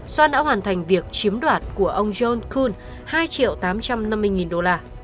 soan đã hoàn thành việc chiếm đoạt của ông john kuhn hai triệu tám trăm năm mươi đô la